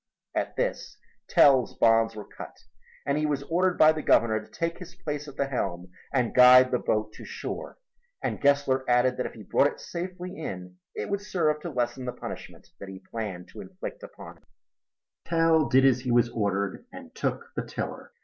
At this Tell's bonds were cut and he was ordered by the Governor to take his place at the helm and guide the boat to shore, and Gessler added that if he brought it safely in it would serve to lessen the punishment that he planned to inflict upon him. Tell did as he was ordered and took the tiller.